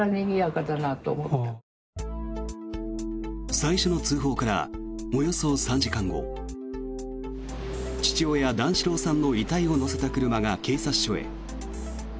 最初の通報からおよそ３時間後父親・段四郎さんの遺体を乗せた車が警察署へ。